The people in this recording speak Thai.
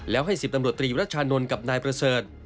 แล้วให้๑๐ตำรวจตรีรัชชานนท์กับนายประเสริฐ